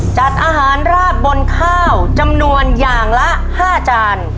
จัดอาหารราดบนข้าวจำนวนอย่างละ๕จาน